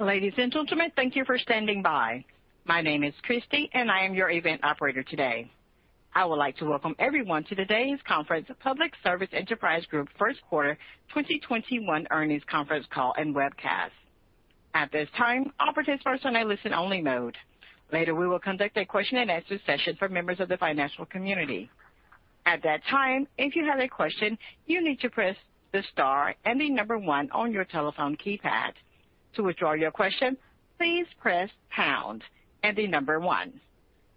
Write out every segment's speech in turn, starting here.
Ladies and gentlemen, thank you for standing by. My name is Christy and I am your event operator today. I would like to welcome everyone to today's conference, Public Service Enterprise Group First Quarter 2021 Earnings Conference Call and Webcast. At this time, all participants are in a listen-only mode. Later, we will conduct a question-and-answer session for members of the financial community. At that time, if you have a question, you need to press the star and the number one on your telephone keypad. To withdraw your question, please press pound and the number one.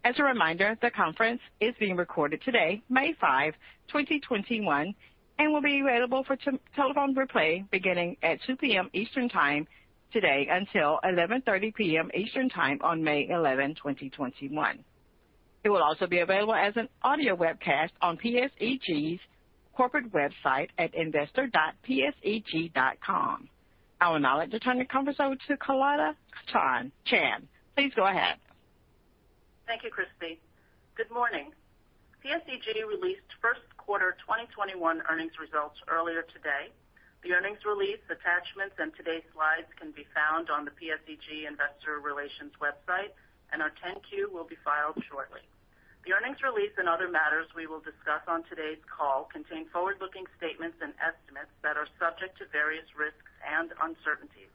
As a reminder, the conference is being recorded today, May 5, 2021, and will be available for telephone replay beginning at 2:00 P.M. Eastern Time today until 11:30 P.M. Eastern Time on May 11, 2021. It will also be available as an audio webcast on PSEG's corporate website at investor.pseg.com. I would now like to turn the conference over to Carlotta Chan. Please go ahead. Thank you, Christy. Good morning. PSEG released first quarter 2021 earnings results earlier today. The earnings release attachments and today's slides can be found on the PSEG Investor Relations website, and our 10-Q will be filed shortly. The earnings release and other matters we will discuss on today's call contain forward-looking statements and estimates that are subject to various risks and uncertainties.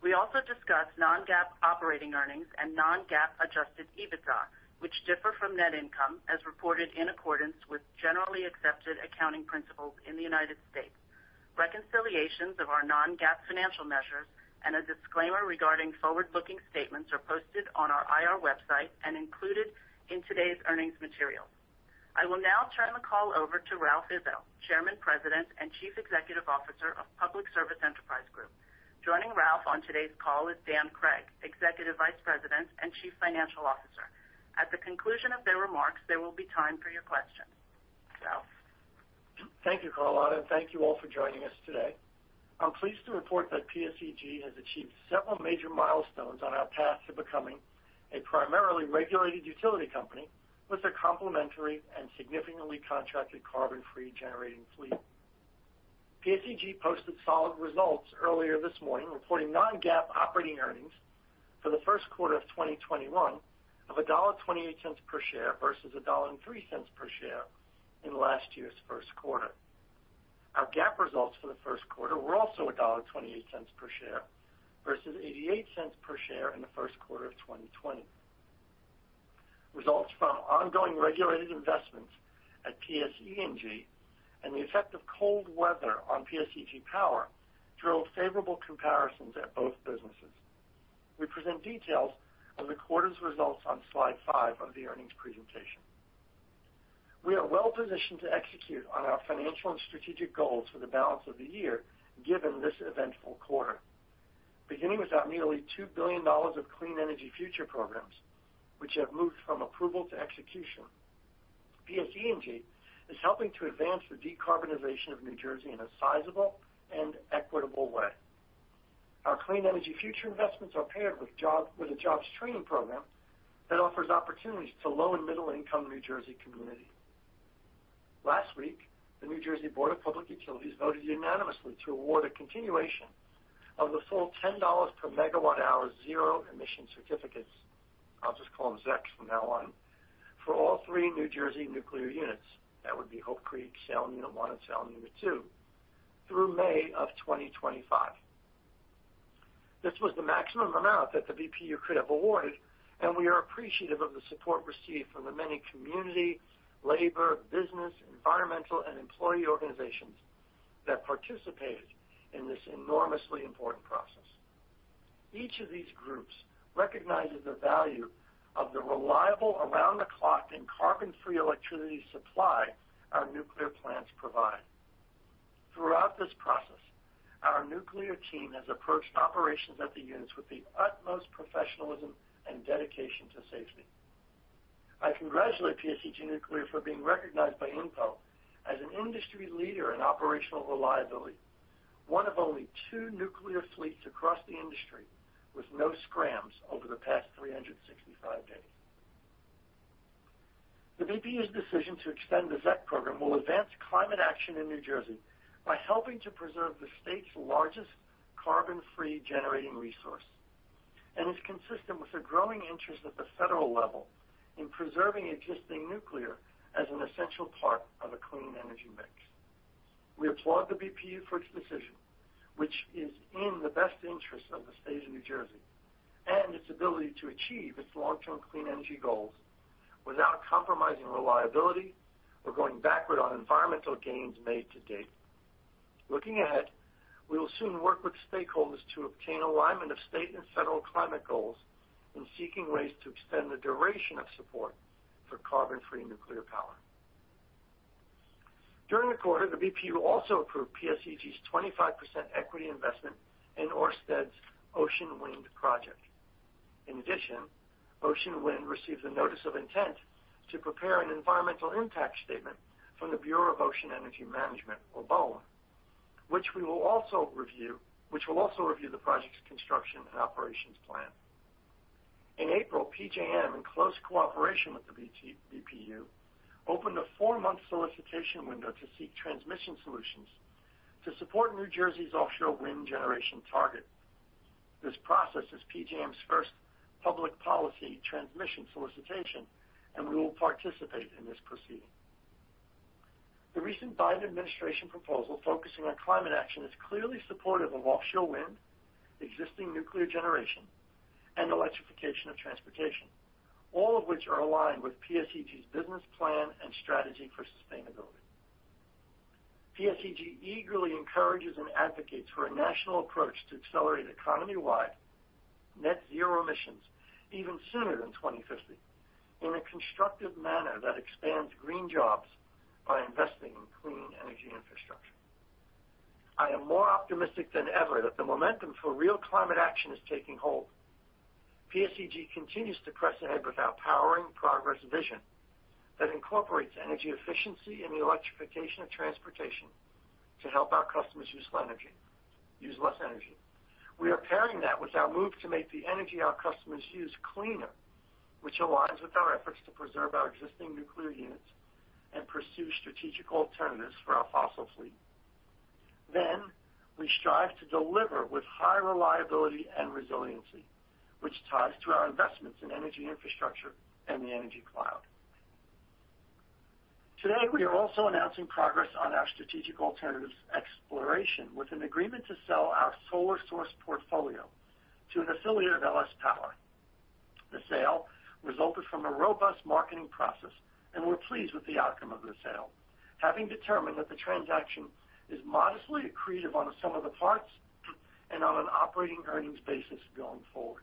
We also discuss non-GAAP operating earnings and non-GAAP adjusted EBITDA, which differ from net income as reported in accordance with generally accepted accounting principles in the United States. Reconciliations of our non-GAAP financial measures and a disclaimer regarding forward-looking statements are posted on our IR website and included in today's earnings materials. I will now turn the call over to Ralph Izzo, Chairman, President, and Chief Executive Officer of Public Service Enterprise Group. Joining Ralph on today's call is Dan Cregg, Executive Vice President and Chief Financial Officer. At the conclusion of their remarks, there will be time for your questions. Ralph. Thank you, Carlotta, and thank you all for joining us today. I'm pleased to report that PSEG has achieved several major milestones on our path to becoming a primarily regulated utility company with a complementary and significantly contracted carbon-free generating fleet. PSEG posted solid results earlier this morning, reporting non-GAAP operating earnings for the first quarter of 2021 of $1.28 per share versus $1.03 per share in last year's first quarter. Our GAAP results for the first quarter were also $1.28 per share versus $0.88 per share in the first quarter of 2020. Results from ongoing regulated investments at PSEG and the effect of cold weather on PSEG Power drove favorable comparisons at both businesses. We present details of the quarter's results on slide five of the earnings presentation. We are well-positioned to execute on our financial and strategic goals for the balance of the year, given this eventful quarter. Beginning with our nearly $2 billion of Clean Energy Future programs, which have moved from approval to execution, PSEG is helping to advance the decarbonization of New Jersey in a sizable and equitable way. Our Clean Energy Future investments are paired with a jobs training program that offers opportunities to low and middle-income New Jersey communities. Last week, the New Jersey Board of Public Utilities voted unanimously to award a continuation of the full $10 per megawatt hour Zero Emission Certificates, I'll just call them ZECs from now on, for all three New Jersey nuclear units, that would be Hope Creek, Salem Unit 1, and Salem Unit 2, through May of 2025. This was the maximum amount that the BPU could have awarded. We are appreciative of the support received from the many community, labor, business, environmental, and employee organizations that participated in this enormously important process. Each of these groups recognizes the value of the reliable, around-the-clock, and carbon-free electricity supply our nuclear plants provide. Throughout this process, our nuclear team has approached operations at the units with the utmost professionalism and dedication to safety. I congratulate PSEG Nuclear for being recognized by INPO as an industry leader in operational reliability. One of only two nuclear fleets across the industry with no scrams over the past 365 days. The BPU's decision to extend the ZEC program will advance climate action in New Jersey by helping to preserve the state's largest carbon-free generating resource and is consistent with a growing interest at the federal level in preserving existing nuclear as an essential part of a clean energy mix. We applaud the BPU for its decision, which is in the best interest of the State of New Jersey and its ability to achieve its long-term clean energy goals without compromising reliability or going backward on environmental gains made to date. Looking ahead, we will soon work with stakeholders to obtain alignment of state and federal climate goals in seeking ways to extend the duration of support for carbon-free nuclear power. During the quarter, the BPU also approved PSEG's 25% equity investment in Ørsted's Ocean Wind project. In addition, Ocean Wind received a notice of intent to prepare an environmental impact statement from the Bureau of Ocean Energy Management, or BOEM, which will also review the project's construction and operations plan. In April, PJM, in close cooperation with the BPU, opened a four-month solicitation window to seek transmission solutions to support New Jersey's offshore wind generation target. This process is PJM's first public policy transmission solicitation, and we will participate in this proceeding. The recent Biden administration proposal focusing on climate action is clearly supportive of offshore wind, existing nuclear generation, and electrification of transportation, all of which are aligned with PSEG's business plan and strategy for sustainability. PSEG eagerly encourages and advocates for a national approach to accelerate economy-wide net zero emissions even sooner than 2050 in a constructive manner that expands green jobs by investing in clean energy infrastructure. I am more optimistic than ever that the momentum for real climate action is taking hold. PSEG continues to press ahead with our Powering Progress Vision that incorporates energy efficiency in the electrification of transportation to help our customers use less energy. We are pairing that with our move to make the energy our customers use cleaner, which aligns with our efforts to preserve our existing nuclear units and pursue strategic alternatives for our fossil fleet. We strive to deliver with high reliability and resiliency, which ties to our investments in energy infrastructure and the Energy Cloud. Today, we are also announcing progress on our strategic alternatives exploration with an agreement to sell our Solar Source portfolio to an affiliate of LS Power. The sale resulted from a robust marketing process, and we're pleased with the outcome of the sale. Having determined that the transaction is modestly accretive on the sum of the parts and on an operating earnings basis going forward.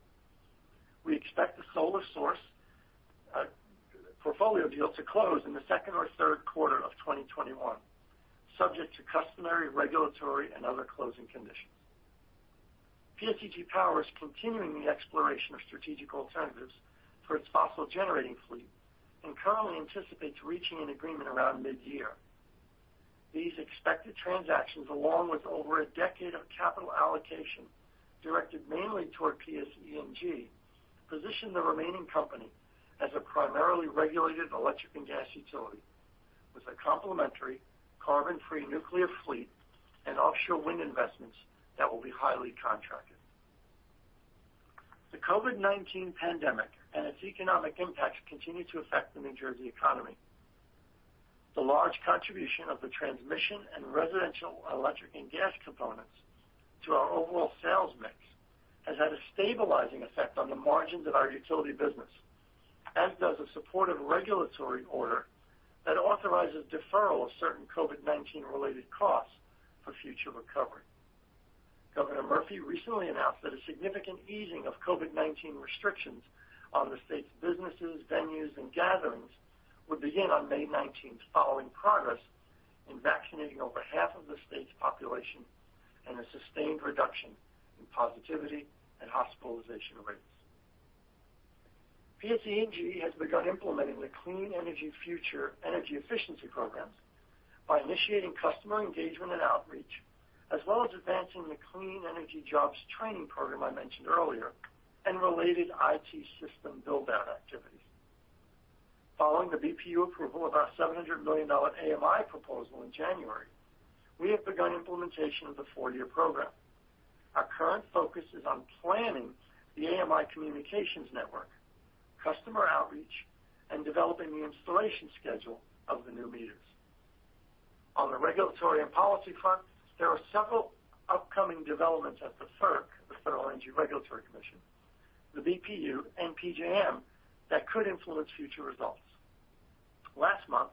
We expect the Solar Source portfolio deal to close in the second or third quarter of 2021, subject to customary, regulatory, and other closing conditions. PSEG Power is continuing the exploration of strategic alternatives for its fossil generating fleet and currently anticipates reaching an agreement around mid-year. These expected transactions, along with over a decade of capital allocation directed mainly toward PSEG, position the remaining company as a primarily regulated electric and gas utility with a complementary carbon-free nuclear fleet and offshore wind investments that will be highly contracted. The COVID-19 pandemic and its economic impacts continue to affect the New Jersey economy. The large contribution of the transmission and residential electric and gas components to our overall sales mix has had a stabilizing effect on the margins of our utility business, as does a supportive regulatory order that authorizes deferral of certain COVID-19 related costs for future recovery. Governor Murphy recently announced that a significant easing of COVID-19 restrictions on the state's businesses, venues, and gatherings would begin on May 19th, following progress in vaccinating over half of the state's population and a sustained reduction in positivity and hospitalization rates. PSEG has begun implementing the Clean Energy Future energy efficiency programs by initiating customer engagement and outreach, as well as advancing the clean energy jobs training program I mentioned earlier, and related IT system build-out activities. Following the BPU approval of our $700 million AMI proposal in January, we have begun implementation of the four-year program. Our current focus is on planning the AMI communications network, customer outreach, and developing the installation schedule of the new meters. On the regulatory and policy front, there are several upcoming developments at the FERC, the Federal Energy Regulatory Commission, the BPU, and PJM that could influence future results. Last month,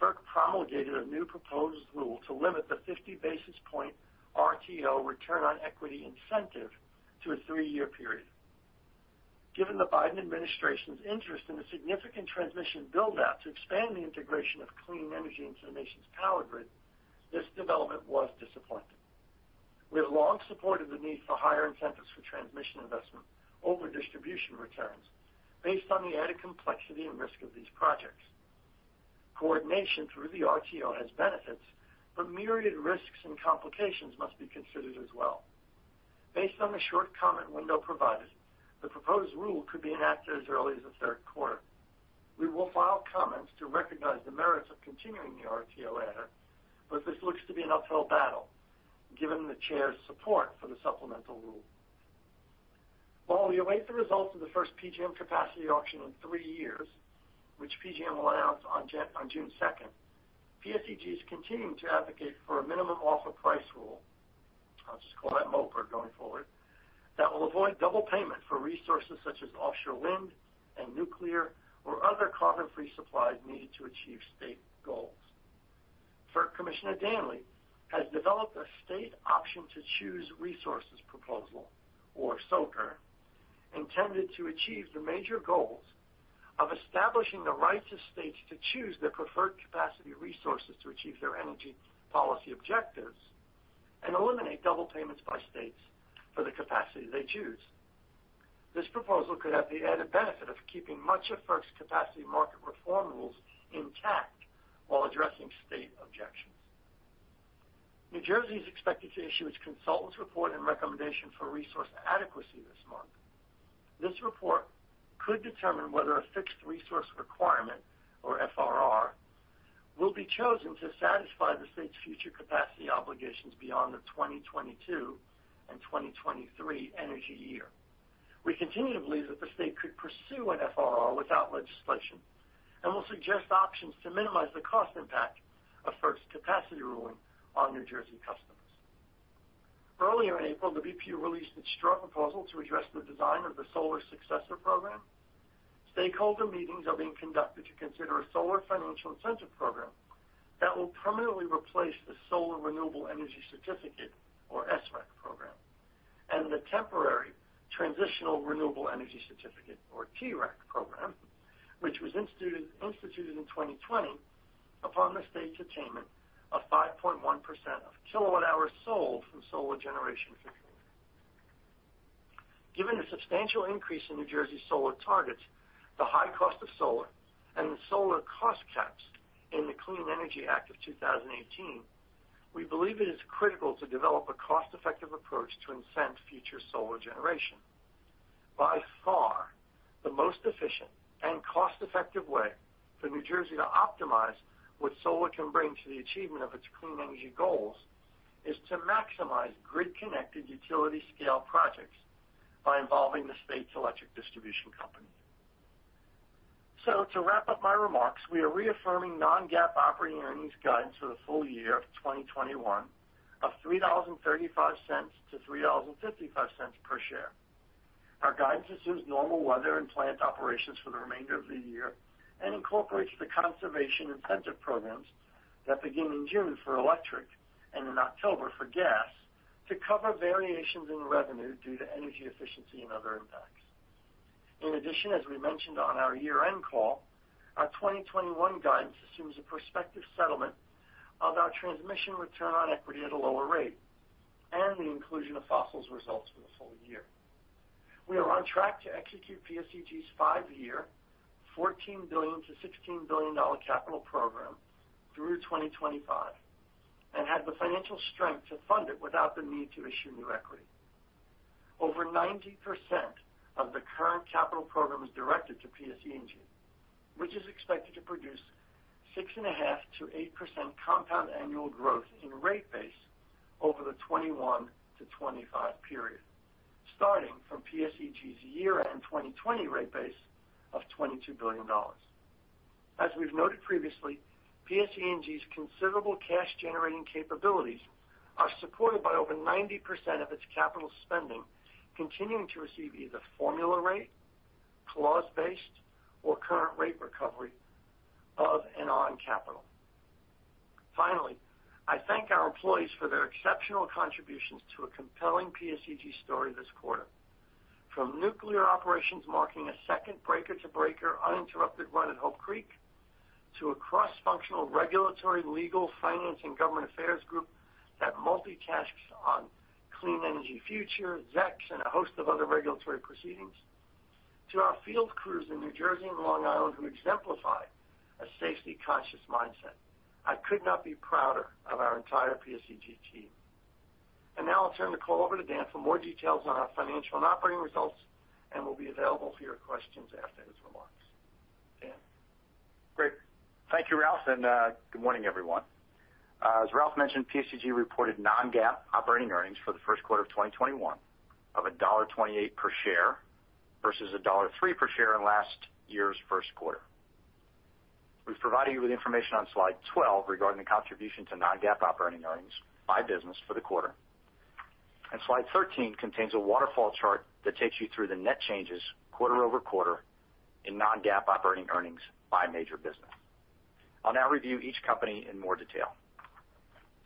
FERC promulgated a new proposed rule to limit the 50 basis point RTO return on equity incentive to a three-year period. Given the Biden administration's interest in a significant transmission build-out to expand the integration of clean energy into the nation's power grid, this development was disappointing. We have long supported the need for higher incentives for transmission investment over distribution returns based on the added complexity and risk of these projects. Coordination through the RTO has benefits, myriad risks and complications must be considered as well. Based on the short comment window provided, the proposed rule could be enacted as early as the third quarter. We will file comments to recognize the merits of continuing the RTO adder, this looks to be an uphill battle given the chair's support for the supplemental rule. While we await the results of the first PJM capacity auction in three years, which PJM will announce on June 2nd, PSEG is continuing to advocate for a minimum offer price rule, I'll just call that MOPR going forward, that will avoid double payment for resources such as offshore wind and nuclear or other carbon-free supplies needed to achieve state goals. FERC Commissioner Danly has developed a state option to choose resources proposal or SOCR intended to achieve the major goals of establishing the right to states to choose their preferred capacity resources to achieve their energy policy objectives and eliminate double payments by states for the capacity they choose. This proposal could have the added benefit of keeping much of FERC's capacity market reform rules intact while addressing state objections. New Jersey is expected to issue its consultant's report and recommendation for resource adequacy this month. This report could determine whether a fixed resource requirement, or FRR, will be chosen to satisfy the state's future capacity obligations beyond the 2022 and 2023 energy year. We continue to believe that the state could pursue an FRR without legislation, and will suggest options to minimize the cost impact of first capacity ruling on New Jersey customers. Earlier in April, the BPU released its draft proposal to address the design of the Solar Successor Program. Stakeholder meetings are being conducted to consider a solar financial incentive program that will permanently replace the Solar Renewable Energy Certificate, or SREC program, and the temporary Transitional Renewable Energy Certificate, or TREC program, which was instituted in 2020 upon the state's attainment of 5.1% of kilowatt-hour sold from solar generation facilities. Given the substantial increase in New Jersey solar targets, the high cost of solar, and the solar cost caps in the Clean Energy Act of 2018, we believe it is critical to develop a cost-effective approach to incent future solar generation. By far, the most efficient and cost-effective way for New Jersey to optimize what solar can bring to the achievement of its clean energy goals, is to maximize grid-connected utility-scale projects by involving the state's electric distribution company. To wrap up my remarks, we are reaffirming non-GAAP operating earnings guidance for the full year of 2021 of $3.35 to $3.55 per share. Our guidance assumes normal weather and plant operations for the remainder of the year and incorporates the conservation incentive programs that begin in June for electric and in October for gas to cover variations in revenue due to energy efficiency and other impacts. In addition, as we mentioned on our year-end call, our 2021 guidance assumes a prospective settlement of our transmission return on equity at a lower rate and the inclusion of fossils results for the full year. We are on track to execute PSEG's five-year $14 billion-$16 billion capital program through 2025, and have the financial strength to fund it without the need to issue new equity. Over 90% of the current capital program is directed to PSE&G, which is expected to produce 6.5%-8% compound annual growth in rate base over the 2021 to 2025 period, starting from PSEG's year-end 2020 rate base of $22 billion. As we've noted previously, PSE&G's considerable cash-generating capabilities are supported by over 90% of its capital spending continuing to receive either formula rate, clause-based, or current rate recovery of and on capital. Finally, I thank our employees for their exceptional contributions to a compelling PSEG story this quarter. From nuclear operations marking a second breaker-to-breaker uninterrupted run at Hope Creek, to a cross-functional regulatory legal finance and government affairs group that multitasks on Clean Energy Future, ZEC, and a host of other regulatory proceedings, to our field crews in New Jersey and Long Island who exemplify a safety-conscious mindset. I could not be prouder of our entire PSEG team. Now I'll turn the call over to Dan for more details on our financial and operating results, and will be available for your questions after his remarks. Dan? Great. Thank you, Ralph, and good morning, everyone. As Ralph mentioned, PSEG reported non-GAAP operating earnings for the first quarter of 2021 of $1.28 per share versus $1.03 per share in last year's first quarter. We've provided you with information on slide 12 regarding the contribution to non-GAAP operating earnings by business for the quarter. Slide 13 contains a waterfall chart that takes you through the net changes quarter-over-quarter in non-GAAP operating earnings by major business. I'll now review each company in more detail.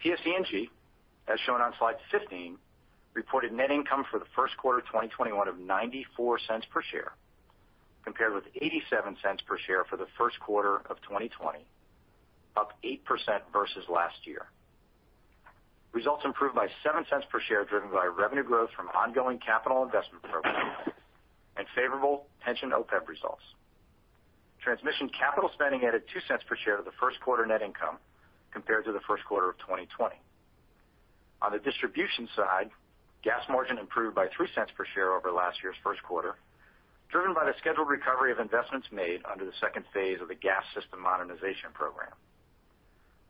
PSE&G, as shown on slide 15, reported net income for the first quarter of 2021 of $0.94 per share, compared with $0.87 per share for the first quarter of 2020, up 8% versus last year. Results improved by $0.07 per share, driven by revenue growth from ongoing capital investment programs and favorable pension OPEB results. Transmission capital spending added $0.02 per share to the first quarter net income compared to the first quarter of 2020. On the distribution side, gas margin improved by $0.03 per share over last year's first quarter, driven by the scheduled recovery of investments made under the phase two of the Gas System Modernization Program.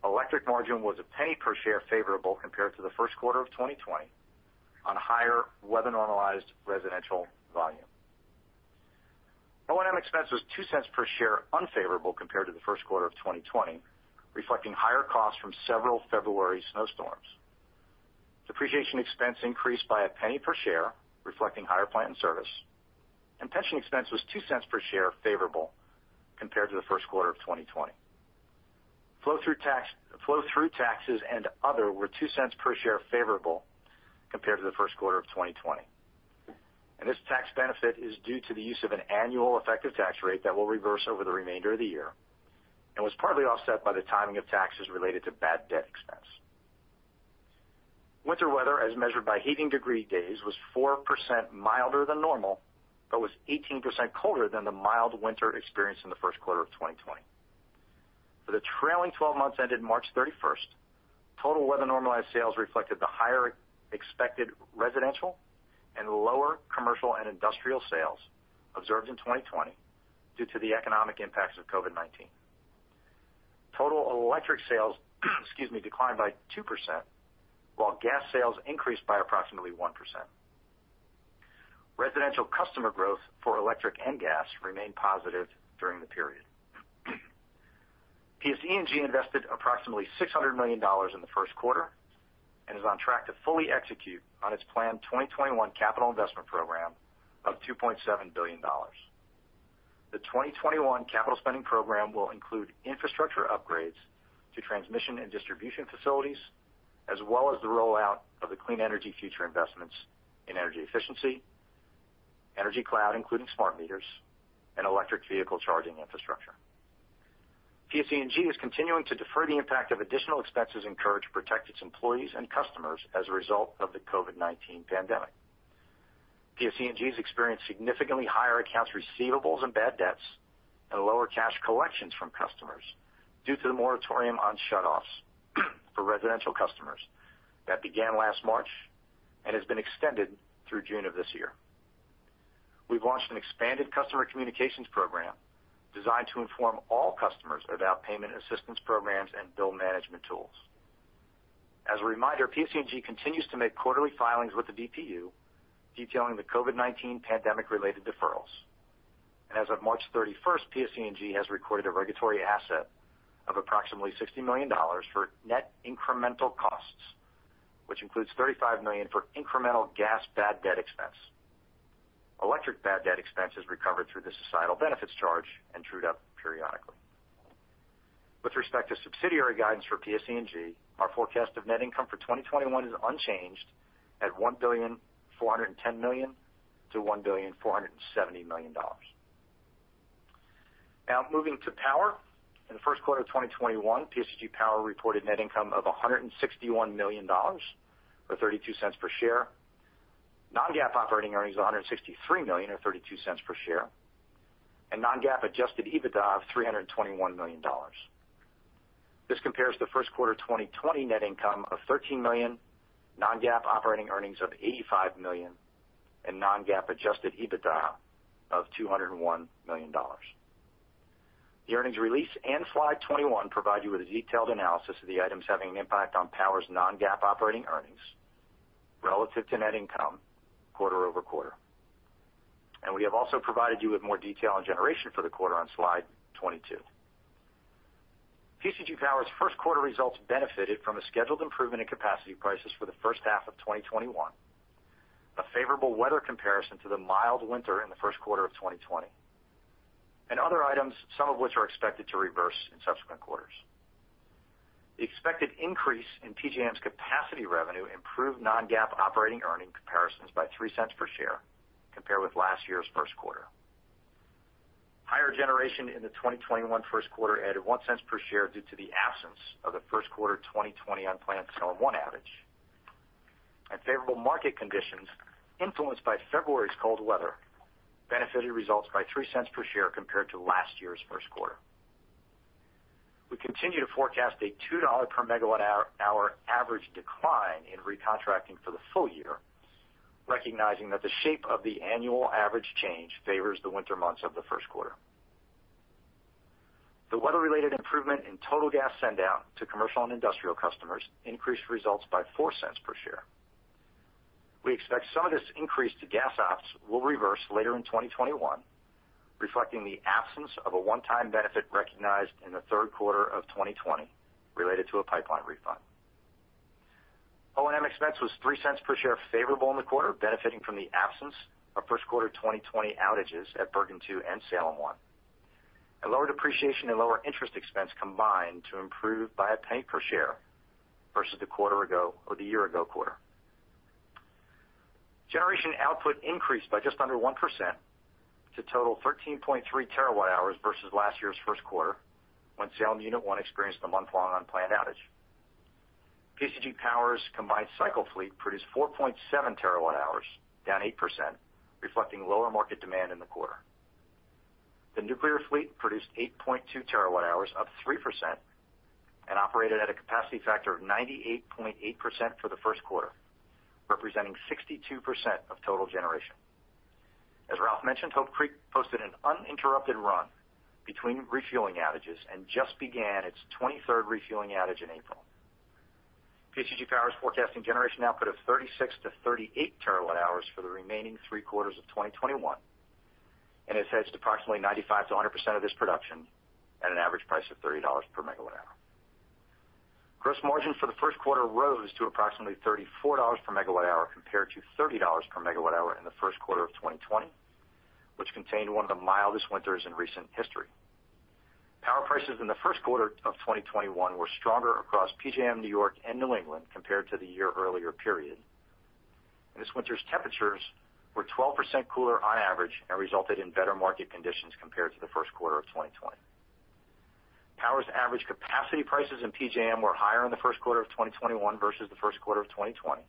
Electric margin was $0.01 per share favorable compared to the first quarter of 2020 on higher weather-normalized residential volume. O&M expense was $0.02 per share unfavorable compared to the first quarter of 2020, reflecting higher costs from several February snowstorms. Depreciation expense increased by $0.01 per share, reflecting higher plant and service. Pension expense was $0.02 per share favorable compared to the first quarter of 2020. Flow-through taxes and other were $0.02 per share favorable compared to the first quarter of 2020. This tax benefit is due to the use of an annual effective tax rate that will reverse over the remainder of the year and was partly offset by the timing of taxes related to bad debt expense. Winter weather, as measured by heating degree days, was 4% milder than normal, but was 18% colder than the mild winter experienced in the first quarter of 2020. For the trailing 12 months ended March 31st, total weather normalized sales reflected the higher expected residential and lower commercial and industrial sales observed in 2020 due to the economic impacts of COVID-19. Total electric sales declined by 2%, while gas sales increased by approximately 1%. Residential customer growth for electric and gas remained positive during the period. PSE&G invested approximately $600 million in the first quarter and is on track to fully execute on its planned 2021 capital investment program of $2.7 billion. The 2021 capital spending program will include infrastructure upgrades to transmission and distribution facilities, as well as the rollout of the Clean Energy Future investments in energy efficiency, Energy Cloud, including smart meters and electric vehicle charging infrastructure. PSE&G is continuing to defer the impact of additional expenses incurred to protect its employees and customers as a result of the COVID-19 pandemic. PSE&G has experienced significantly higher accounts receivables and bad debts, and lower cash collections from customers due to the moratorium on shutoffs for residential customers that began last March and has been extended through June of this year. We've launched an expanded customer communications program designed to inform all customers about payment assistance programs and bill management tools. As a reminder, PSE&G continues to make quarterly filings with the BPU detailing the COVID-19 pandemic-related deferrals. As of March 31st, PSE&G has recorded a regulatory asset of approximately $60 million for net incremental costs, which includes $35 million for incremental gas bad debt expense. Electric bad debt expense is recovered through the societal benefits charge and trued up periodically. With respect to subsidiary guidance for PSE&G, our forecast of net income for 2021 is unchanged at $1.41 billion-$1.47 billion. Now, moving to Power. In the first quarter of 2021, PSEG Power reported net income of $161 million, or $0.32 per share. Non-GAAP operating earnings of $163 million or $0.32 per share, and non-GAAP adjusted EBITDA of $321 million. This compares to first quarter 2020 net income of $13 million, non-GAAP operating earnings of $85 million, and non-GAAP adjusted EBITDA of $201 million. The earnings release and slide 21 provide you with a detailed analysis of the items having an impact on Power's non-GAAP operating earnings relative to net income quarter-over-quarter. We have also provided you with more detail on generation for the quarter on slide 22. PSEG Power's first quarter results benefited from a scheduled improvement in capacity prices for the first half of 2021, a favorable weather comparison to the mild winter in the first quarter of 2020, and other items, some of which are expected to reverse in subsequent quarters. The expected increase in PJM's capacity revenue improved non-GAAP operating earning comparisons by $0.03 per share compared with last year's first quarter. Higher generation in the 2021 first quarter added $0.01 per share due to the absence of the first quarter 2020 unplanned Salem-1 outage. Favorable market conditions influenced by February's cold weather benefited results by $0.03 per share compared to last year's first quarter. We continue to forecast a $2 per megawatt-hour average decline in recontracting for the full year, recognizing that the shape of the annual average change favors the winter months of the first quarter. The weather-related improvement in total gas sendout to commercial and industrial customers increased results by $0.04 per share. We expect some of this increase to gas ops will reverse later in 2021, reflecting the absence of a one-time benefit recognized in the third quarter of 2020 related to a pipeline refund. O&M expense was $0.03 per share favorable in the quarter, benefiting from the absence of first quarter 2020 outages at Bergen 2 and Salem-1. A lower depreciation and lower interest expense combined to improve by $0.01 per share versus the year-ago quarter. Generation output increased by just under 1% to total 13.3 TWh versus last year's first quarter, when Salem Unit 1 experienced a month-long unplanned outage. PSEG Power's combined cycle fleet produced 4.7 TWh, down 8%, reflecting lower market demand in the quarter. The nuclear fleet produced 8.2 TWh, up 3%, and operated at a capacity factor of 98.8% for the first quarter, representing 62% of total generation. As Ralph mentioned, Hope Creek posted an uninterrupted run between refueling outages and just began its 23rd refueling outage in April. PSEG Power is forecasting generation output of 36-38 TWh for the remaining three quarters of 2021, and it hedged approximately 95%-100% of this production at an average price of $30 per megawatt-hour. Gross margin for the first quarter rose to approximately $34 per megawatt-hour, compared to $30 per megawatt-hour in the first quarter of 2020, which contained one of the mildest winters in recent history. Power prices in the first quarter of 2021 were stronger across PJM, New York, and New England compared to the year earlier period, and this winter's temperatures were 12% cooler on average and resulted in better market conditions compared to the first quarter of 2020. Power's average capacity prices in PJM were higher in the first quarter of 2021 versus the first quarter of 2020,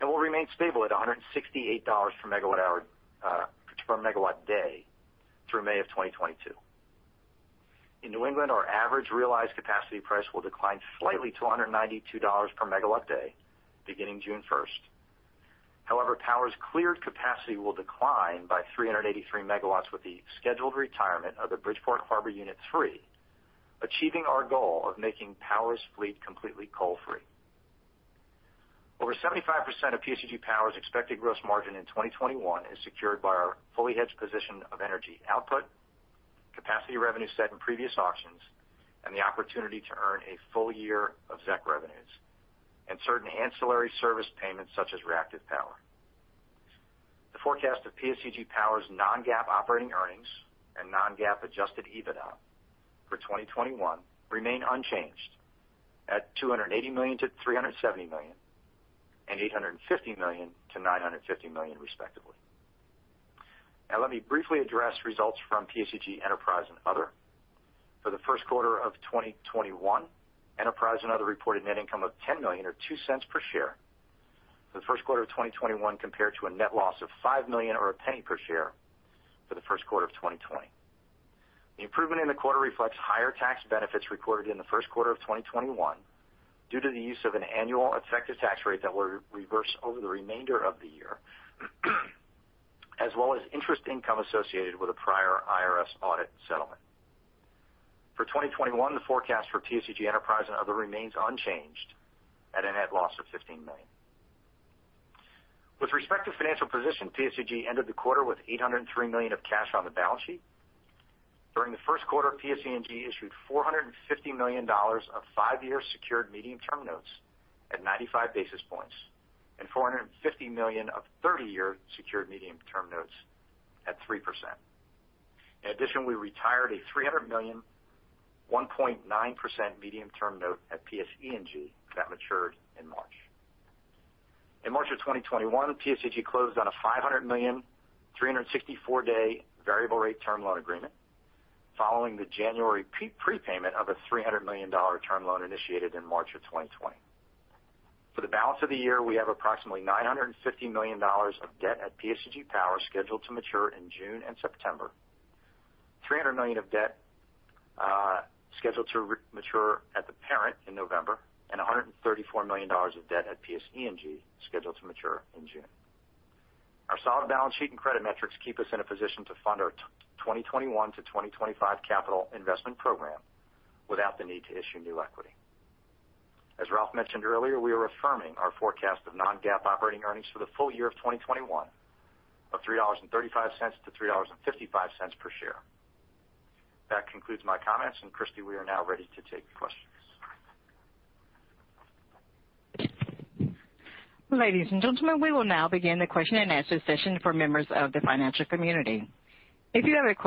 and will remain stable at $168 per megawatt day through May of 2022. In New England, our average realized capacity price will decline slightly to $192 per megawatt day beginning June 1st. However, Power's cleared capacity will decline by 383 MW with the scheduled retirement of the Bridgeport Harbor Unit 3, achieving our goal of making Power's fleet completely coal-free. Over 75% of PSEG Power's expected gross margin in 2021 is secured by our fully hedged position of energy output, capacity revenue set in previous auctions, and the opportunity to earn a full year of ZEC revenues, and certain ancillary service payments such as reactive power. The forecast of PSEG Power's non-GAAP operating earnings and non-GAAP adjusted EBITDA for 2021 remain unchanged at $280 million-$370 million and $850 million-$950 million respectively. Now let me briefly address results from PSEG Enterprise and Other. For the first quarter of 2021, Enterprise and Other reported net income of $10 million, or $0.02 per share, for the first quarter of 2021, compared to a net loss of $5 million or $0.01 per share for the first quarter of 2020. The improvement in the quarter reflects higher tax benefits recorded in the first quarter of 2021 due to the use of an annual effective tax rate that will reverse over the remainder of the year, as well as interest income associated with a prior IRS audit settlement. For 2021, the forecast for PSEG Enterprise and Other remains unchanged at a net loss of $15 million. With respect to financial position, PSEG ended the quarter with $803 million of cash on the balance sheet. During the first quarter, PSEG issued $450 million of five-year secured medium-term notes at 95 basis points and $450 million of 30-year secured medium-term notes at 3%. In addition, we retired a $300 million, 1.9% medium-term note at PSE&G that matured in March. In March of 2021, PSEG closed on a $500 million, 364-day variable rate term loan agreement following the January prepayment of a $300 million term loan initiated in March of 2020. For the balance of the year, we have approximately $950 million of debt at PSEG Power scheduled to mature in June and September, $300 million of debt scheduled to mature at the parent in November, and $134 million of debt at PSE&G scheduled to mature in June. Our solid balance sheet and credit metrics keep us in a position to fund our 2021-2025 capital investment program without the need to issue new equity. As Ralph mentioned earlier, we are affirming our forecast of non-GAAP operating earnings for the full year of 2021 of $3.35 to $3.55 per share. That concludes my comments. Christy, we are now ready to take questions. One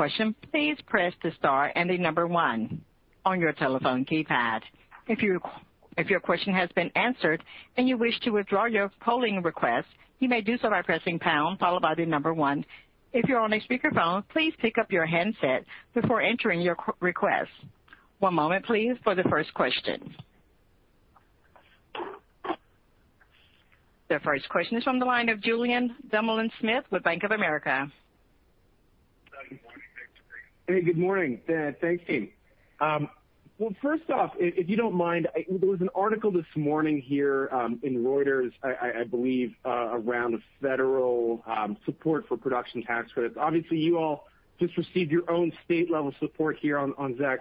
moment, please, for the first question. The first question is from the line of Julien Dumoulin-Smith with Bank of America. Good morning. Thanks for having me. Hey, good morning. Thanks, team. First off, if you don't mind, there was an article this morning here in Reuters, I believe, around federal support for production tax credits. Obviously, you all just received your own state-level support here on ZECs.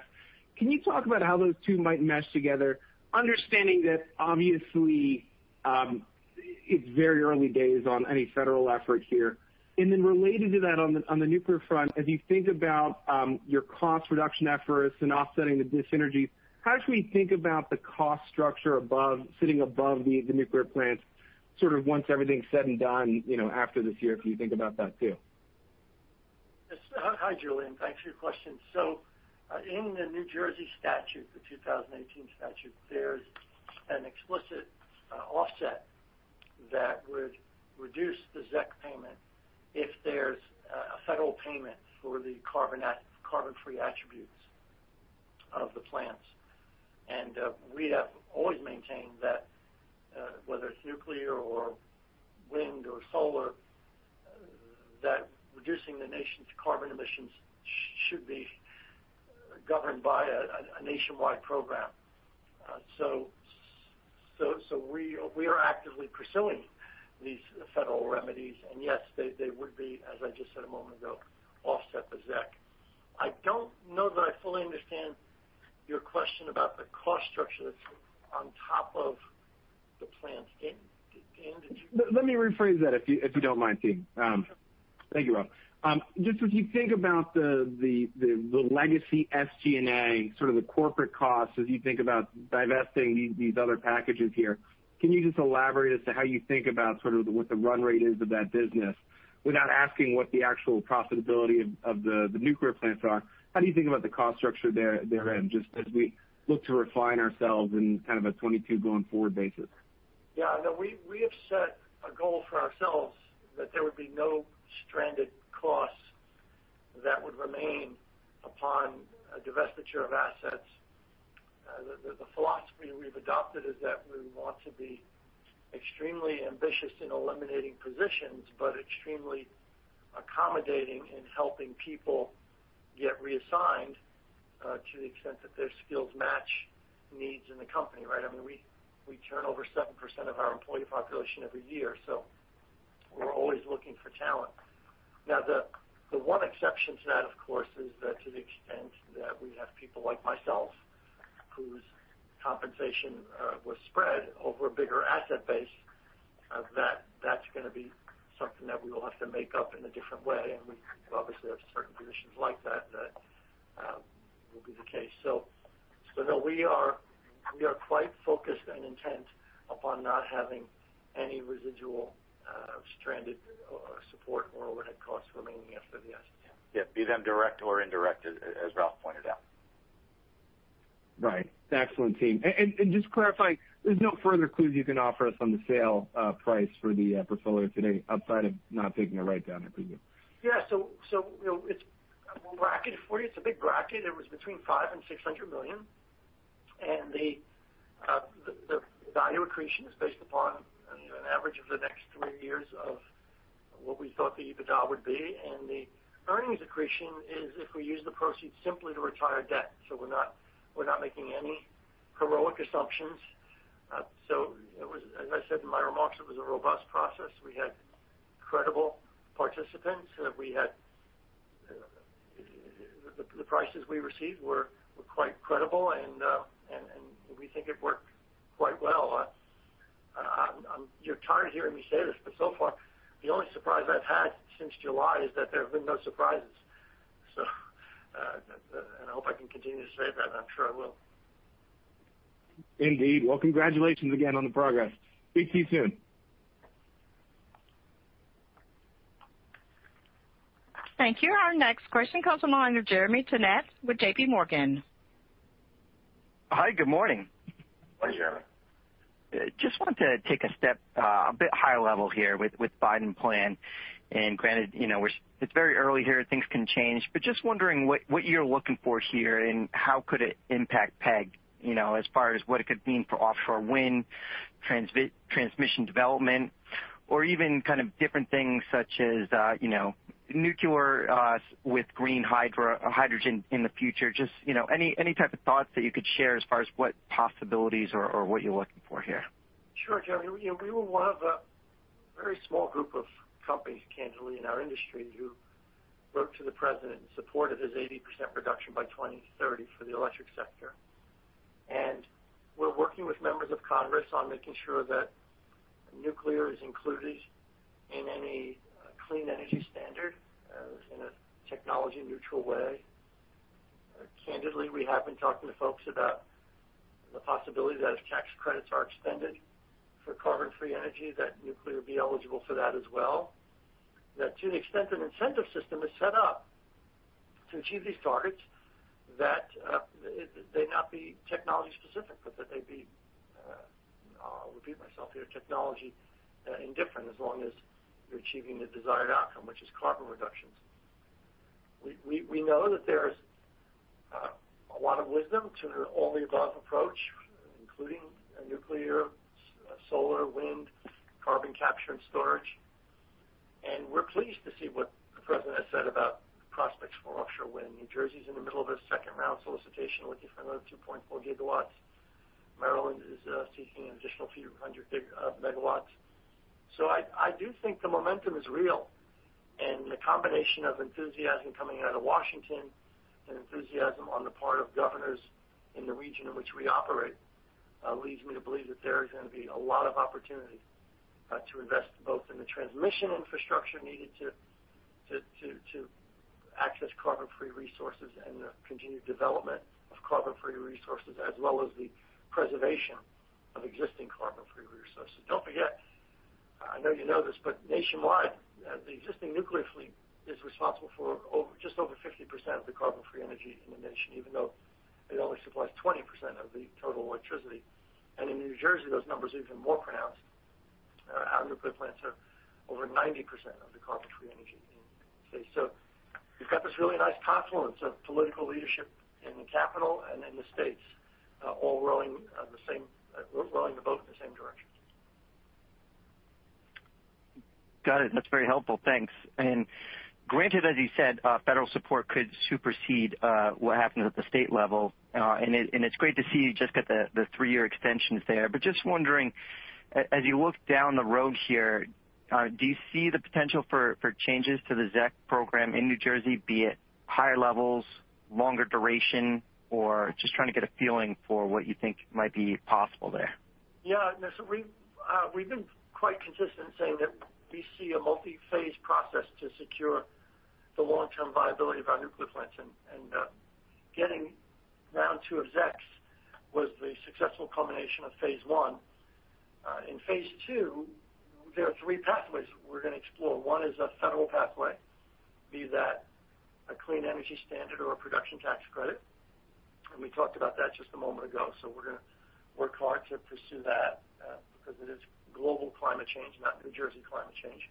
Can you talk about how those two might mesh together, understanding that obviously, it's very early days on any federal effort here? Related to that, on the nuclear front, as you think about your cost reduction efforts and offsetting the dyssynergies, how should we think about the cost structure sitting above the nuclear plants, sort of once everything's said and done after this year if you think about that too? Hi, Julien. Thanks for your question. In the New Jersey statute, the 2018 statute, there's an explicit offset that would reduce the ZEC payment if there's a federal payment for the carbon-free attributes of the plants. We have always maintained that whether it's nuclear or wind or solar, that reducing the nation's carbon emissions should be governed by a nationwide program. We are actively pursuing these federal remedies. Yes, they would be, as I just said a moment ago, offset the ZEC. I don't know that I fully understand your question about the cost structure that's on top of the plants. Dan, did you- Let me rephrase that, if you don't mind, team. Thank you, Ralph. Just as you think about the legacy SG&A, sort of the corporate costs, as you think about divesting these other packages here, can you just elaborate as to how you think about sort of what the run rate is of that business without asking what the actual profitability of the nuclear plants are? How do you think about the cost structure there then, just as we look to refine ourselves in kind of a 2022 going forward basis? Yeah. No, we have set a goal for ourselves that there would be no stranded costs that would remain upon a divestiture of assets. The philosophy we've adopted is that we want to be extremely ambitious in eliminating positions, but extremely accommodating in helping people get reassigned, to the extent that their skills match needs in the company, right? I mean, we turn over 7% of our employee population every year. We're always looking for talent. The one exception to that, of course, is that to the extent that we have people like myself whose compensation was spread over a bigger asset base, that's going to be something that we will have to make up in a different way. We obviously have certain positions like that will be the case. No, we are quite focused and intent upon not having any residual stranded support or overhead costs remaining after the SAM. Yeah. Be them direct or indirect, as Ralph pointed out. Right. Excellent, team. Just clarifying, there's no further clues you can offer us on the sale price for the portfolio today outside of not taking a write-down, I presume. Yeah. It's a bracket for you. It's a big bracket. It was between $500 million and $600 million. The value accretion is based upon an average of the next three years of what we thought the EBITDA would be. The earnings accretion is if we use the proceeds simply to retire debt. We're not making any heroic assumptions. As I said in my remarks, it was a robust process. We had credible participants. The prices we received were quite credible, and we think it worked quite well. You're tired of hearing me say this, so far, the only surprise I've had since July is that there have been no surprises. I hope I can continue to say that, I'm sure I will. Indeed. Well, congratulations again on the progress. Speak to you soon. Thank you. Our next question comes on the line of Jeremy Tonet with J.P. Morgan. Hi, good morning. Morning, Jeremy. Just wanted to take a step a bit higher level here with Biden plan. Granted, it's very early here, things can change, but just wondering what you're looking for here, and how could it impact PEG, as far as what it could mean for offshore wind, transmission development, or even kind of different things such as nuclear with green hydrogen in the future. Just any type of thoughts that you could share as far as what possibilities or what you're looking for here? Sure, Jeremy. We were one of a very small group of companies, candidly, in our industry, who wrote to the President in support of his 80% reduction by 2030 for the electric sector. We're working with members of Congress on making sure that nuclear is included in any clean energy standard in a technology-neutral way. Candidly, we have been talking to folks about the possibility that if tax credits are extended for carbon-free energy, that nuclear would be eligible for that as well. That to the extent an incentive system is set up to achieve these targets, that they not be technology-specific, but that they'd be, I'll repeat myself here, technology indifferent as long as you're achieving the desired outcome, which is carbon reductions. We know that there's a lot of wisdom to the all-of-the-above approach, including nuclear, solar, wind, carbon capture, and storage. We're pleased to see what the President has said about prospects for offshore wind. New Jersey's in the middle of a second-round solicitation looking for another 2.4 GW. Maryland is seeking an additional few hundred megawatts. I do think the momentum is real, and the combination of enthusiasm coming out of Washington and enthusiasm on the part of governors in the region in which we operate leads me to believe that there is going to be a lot of opportunity to invest both in the transmission infrastructure needed to access carbon-free resources and the continued development of carbon-free resources, as well as the preservation of existing carbon-free resources. Don't forget, I know you know this, but nationwide, the existing nuclear fleet is responsible for just over 50% of the carbon-free energy in the nation, even though it only supplies 20% of the total electricity. In New Jersey, those numbers are even more pronounced. Our nuclear plants are over 90% of the carbon-free energy in the state. You've got this really nice confluence of political leadership in the capital and in the states all rowing the boat in the same direction. Got it. That's very helpful. Thanks. Granted, as you said, federal support could supersede what happens at the state level. It's great to see you just got the three-year extensions there. Just wondering, as you look down the road here, do you see the potential for changes to the ZEC program in New Jersey, be it higher levels, longer duration, or just trying to get a feeling for what you think might be possible there? We've been quite consistent saying that we see a multi-phase process to secure the long-term viability of our nuclear plants, and getting round two of ZECs was the successful culmination of phase one. In phase two, there are three pathways we're going to explore. One is a federal pathway, be that a clean energy standard or a production tax credit. We talked about that just a moment ago. We're going to work hard to pursue that because it is global climate change, not New Jersey climate change.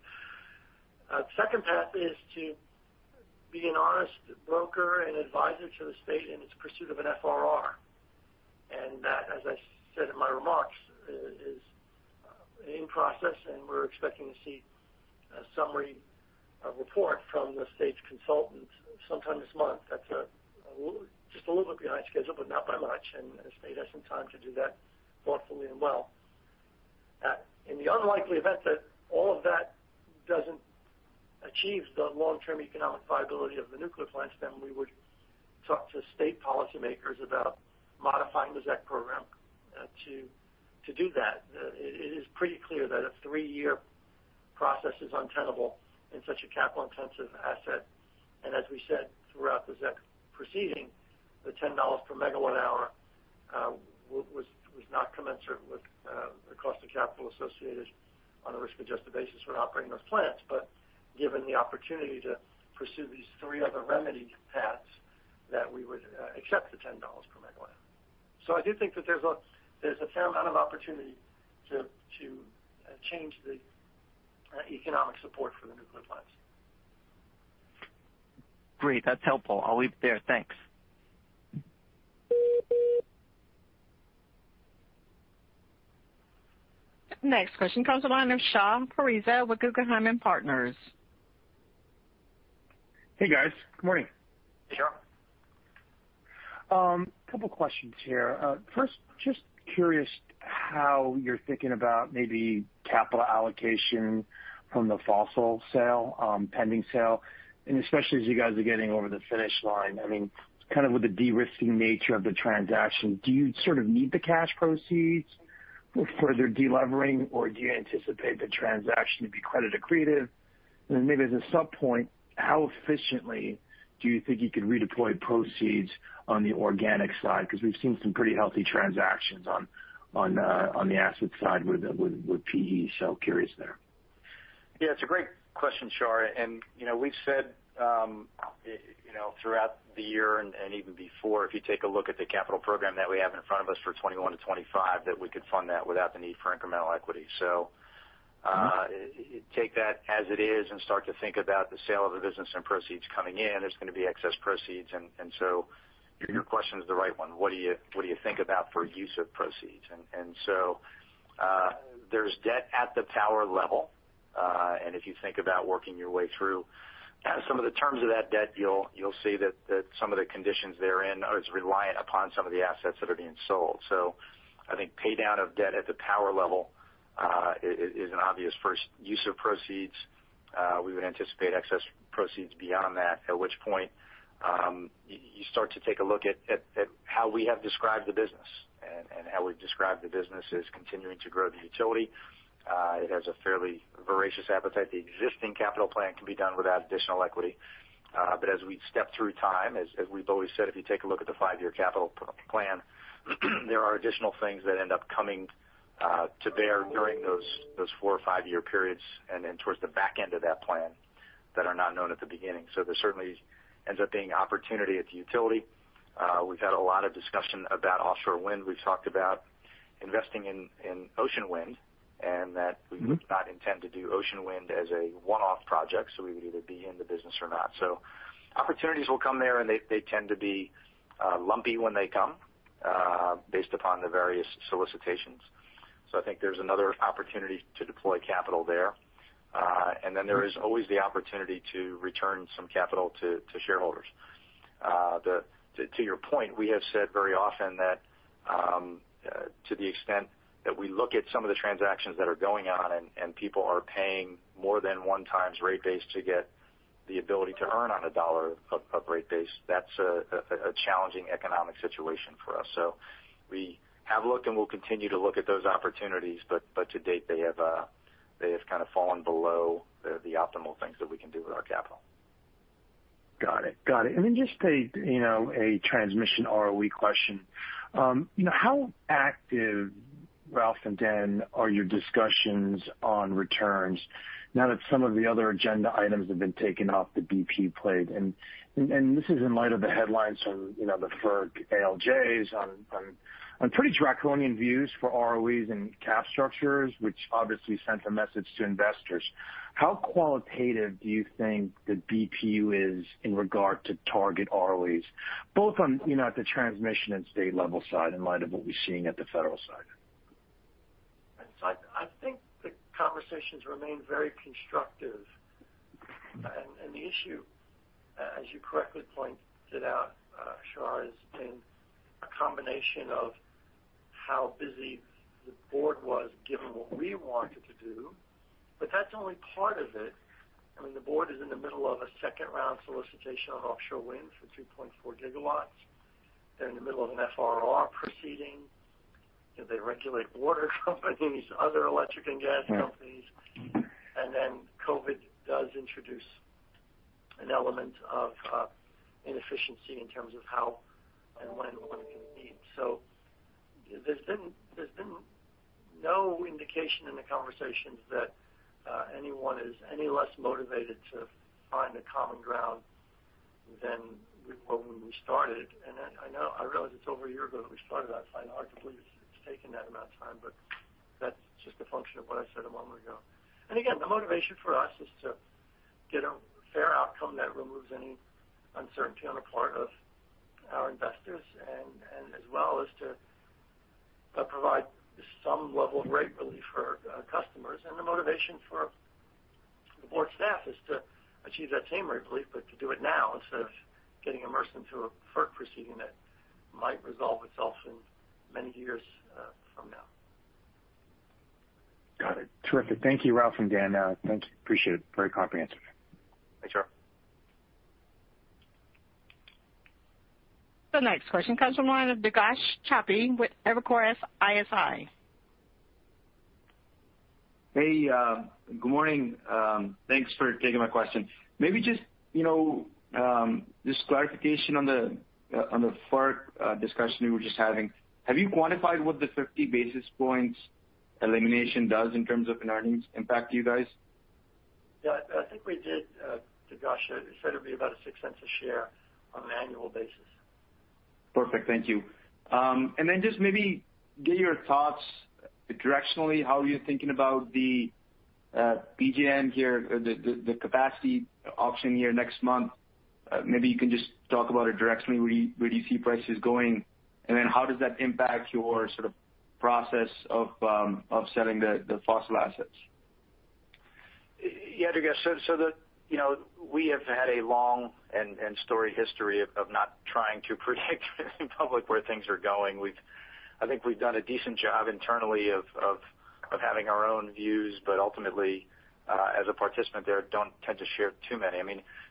Second path is to be an honest broker and advisor to the state in its pursuit of an FRR. That, as I said in my remarks, is in process, and we're expecting to see a summary, a report from the state's consultant sometime this month. That's just a little bit behind schedule, but not by much, and the state has some time to do that thoughtfully and well. In the unlikely event that all of that doesn't achieve the long-term economic viability of the nuclear plants, then we would talk to state policymakers about modifying the ZEC program to do that. It is pretty clear that a three-year process is untenable in such a capital-intensive asset. As we said throughout the ZEC proceeding, the $10 per megawatt hour was not commensurate with the cost of capital associated on a risk-adjusted basis for not bringing those plants. Given the opportunity to pursue these three other remedy paths, that we would accept the $10 per megawatt hour. I do think that there's a fair amount of opportunity to change the economic support for the nuclear plants. Great. That's helpful. I'll leave it there. Thanks. Next question comes on the line of Shar Pourreza with Guggenheim Partners. Hey, guys. Good morning. Hey, Shar. Couple questions here. First, just curious how you're thinking about maybe capital allocation from the fossil sale, pending sale, and especially as you guys are getting over the finish line. I mean, kind of with the de-risking nature of the transaction, do you sort of need the cash proceeds for further de-levering, or do you anticipate the transaction to be credit accretive? Then maybe as a sub-point, how efficiently do you think you could redeploy proceeds on the organic side? We've seen some pretty healthy transactions on the asset side with PE. Curious there. Yeah, it's a great question, Shar. We've said throughout the year and even before, if you take a look at the capital program that we have in front of us for 2021 to 2025, that we could fund that without the need for incremental equity. Take that as it is and start to think about the sale of the business and proceeds coming in. There's going to be excess proceeds. Your question is the right one: what do you think about for use of proceeds? There's debt at the power level. If you think about working your way through kind of some of the terms of that debt, you'll see that some of the conditions therein are reliant upon some of the assets that are being sold. I think pay down of debt at the Power level is an obvious first use of proceeds. We would anticipate excess proceeds beyond that, at which point you start to take a look at how we have described the business. How we've described the business is continuing to grow the utility. It has a fairly voracious appetite. The existing capital plan can be done without additional equity. As we step through time, as we've always said, if you take a look at the five-year capital plan, there are additional things that end up coming to bear during those four- or five-year periods and then towards the back end of that plan that are not known at the beginning. There certainly ends up being opportunity at the utility. We've had a lot of discussion about offshore wind. We've talked about investing in Ocean Wind. We do not intend to do Ocean Wind as a one-off project. We would either be in the business or not. Opportunities will come there, and they tend to be lumpy when they come based upon the various solicitations. I think there's another opportunity to deploy capital there. There is always the opportunity to return some capital to shareholders. To your point, we have said very often that to the extent that we look at some of the transactions that are going on and people are paying more than one times rate base to get the ability to earn on a $1 of rate base, that's a challenging economic situation for us. We have looked and will continue to look at those opportunities, but to date, they have kind of fallen below the optimal things that we can do with our capital. Got it. Then just a transmission ROE question. How active, Ralph and Dan, are your discussions on returns now that some of the other agenda items have been taken off the BPU plate? This is in light of the headlines from the FERC ALJs on pretty draconian views for ROEs and cap structures, which obviously sends a message to investors. How qualitative do you think the BPU is in regard to target ROEs, both on the transmission and state-level side in light of what we're seeing at the federal side? I think the conversations remain very constructive. The issue, as you correctly pointed out, Shar, has been a combination of how busy the board was given what we wanted to do. That's only part of it. I mean, the board is in the middle of a second-round solicitation on offshore wind for 2.4 GW. They're in the middle of an FRR proceeding, they regulate water companies, other electric and gas companies. COVID does introduce an element of inefficiency in terms of how and when one can meet. There's been no indication in the conversations that anyone is any less motivated to find a common ground than when we started. I realize it's over a year ago that we started. I find it hard to believe it's taken that amount of time, but that's just a function of what I said a moment ago. Again, the motivation for us is to get a fair outcome that removes any uncertainty on the part of our investors, and as well as to provide some level of rate relief for our customers. The motivation for the board staff is to achieve that same rate relief, but to do it now instead of getting immersed into a FERC proceeding that might resolve itself in many years from now. Got it. Terrific. Thank you, Ralph and Dan. Thanks. Appreciate it. Very comprehensive. Thanks, Ralph. The next question comes from the line of Durgesh Chopra with Evercore ISI. Hey, good morning. Thanks for taking my question. Maybe just this clarification on the FERC discussion you were just having. Have you quantified what the 50 basis points elimination does in terms of an earnings impact to you guys? Yeah, I think we did, Durgesh. It's said to be about $0.06 a share on an annual basis. Perfect. Thank you. Just maybe get your thoughts directionally, how you're thinking about the PJM here, the capacity auction here next month. Maybe you can just talk about it directionally. Where do you see prices going? How does that impact your process of selling the fossil assets? Yeah, Durgesh. We have had a long and storied history of not trying to predict in public where things are going. I think we've done a decent job internally of having our own views, but ultimately, as a participant there, don't tend to share too many.